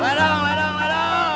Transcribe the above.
ledang ledang ledang